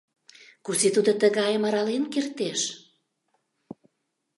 — Кузе тудо тыгайым арален кертеш!